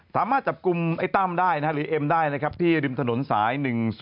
สามารถจับกลุ่มไอ้ตั้มได้หรือเอ็มได้นะครับที่ริมถนนสาย๑๒